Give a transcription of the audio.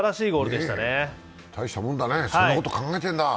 大したもんだね、そんなこと考えてるんだね。